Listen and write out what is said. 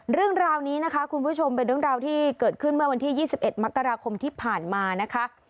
เรื่องราวนี้นะคะคุณผู้ชมเป็นเรื่องราวที่เกิดขึ้นเมื่อวันที่๒๑มกราคมที่ผ่านมานะคะ